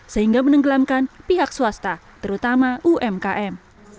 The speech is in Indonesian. sehingga menenggelamkan pihak swasta terutama umkm